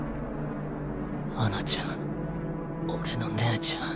華ちゃん俺の姉ちゃん